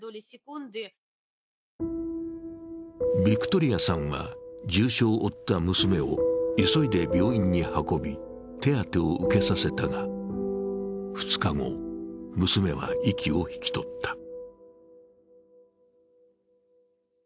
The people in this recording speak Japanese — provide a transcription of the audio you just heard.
ヴィクトリアさんは重傷を負った娘を急いで病院に運び、手当てを受けさせたが２日後、娘は息を引き取った。